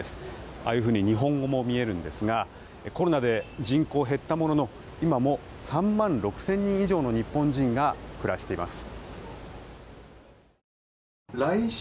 ああいうふうに日本語も見えるんですがコロナで人口が減ったものの今も３万６０００人以上の日本人が暮らしています。